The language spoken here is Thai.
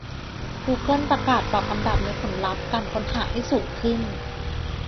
กูเกิลประกาศปรับอันดับในผลลัพธ์การค้นหาให้สูง ขึ้น